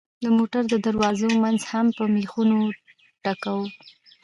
د موټر د دروازو منځ هم په مېخونو ډکوو.